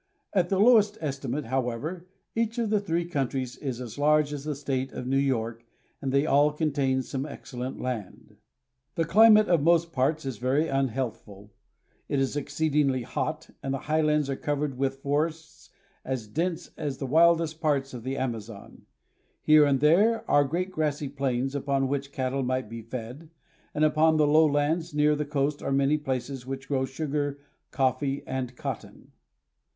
At the lowest estimate, however, each of the three countries is as large as the State of New York, and they all contain some excellent land. The climate of most parts is very unhealthful. It is exceedingly hot, and the highlands are covered with for ests as dense as the wildest parts of the Amazon. Here and there are great grassy plains, upon which cattle might be fed, and upon the lowlands near the coast are many places which grow sugar, coffee, and cotton.